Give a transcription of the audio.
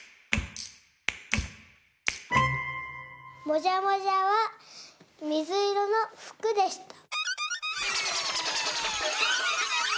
もじゃもじゃはみずいろのふくでした。